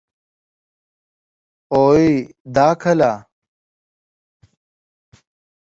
اوي دا کله ؟ self citition